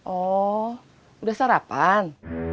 oh udah sarapan